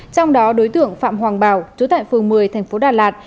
trong đó đối tượng phạm hoàng bảo trú tại phường một mươi thành phố đà lạt